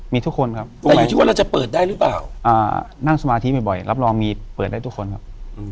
มีทุกคนครับสมัยที่ว่าเราจะเปิดได้หรือเปล่านั่งสมาธิบ่อยรับรองมีเปิดได้ทุกคนครับ